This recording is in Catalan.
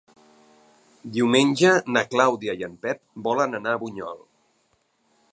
Diumenge na Clàudia i en Pep volen anar a Bunyol.